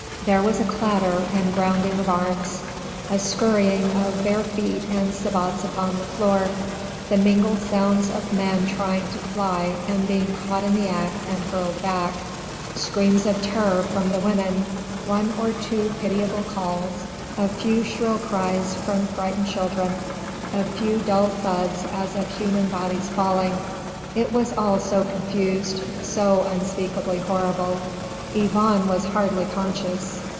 There was a clatter and grounding of arms a scurrying of bare feet and sabots upon the floor, the mingled sounds of men trying to fly and being caught in the act and hurled back: screams of terror from the women, one or two pitiable calls, a few shrill cries from frightened children, a few dull thuds as of human bodies falling.... It was all so confused, so unspeakably horrible. Yvonne was hardly conscious.